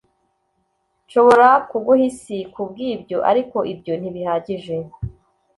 nshobora kuguha isi kubwibyo, ariko ibyo ntibihagije.